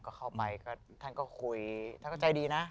ก็เข้าไปก็ท่านก็คุยท่านก็ใจดีนะ